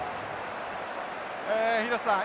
廣瀬さん